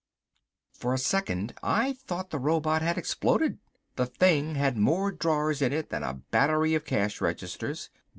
For a second I thought the robot had exploded. The thing had more drawers in it than a battery of cash registers.